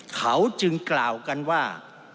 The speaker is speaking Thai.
เขาจึงกล่าวกันว่า